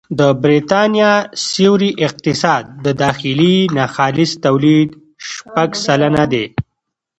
د بریتانیا سیوري اقتصاد د داخلي ناخالص توليد شپږ سلنه دی